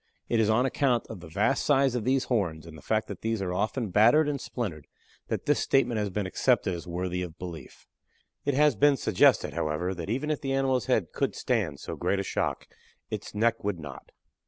It is on account of the vast size of the horns, and the fact that these are often battered and splintered that this statement has been accepted as worthy of belief. It has been suggested, however, that even if the animal's head could stand so great a shock, it's neck would not.